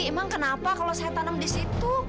emang kenapa kalau saya tanam di situ